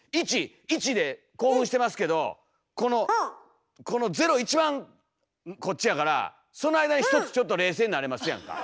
１！で興奮してますけどこのこの０一番こっちやからその間にひとつちょっと冷静になれますやんか。